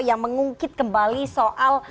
yang mengungkit kembali soal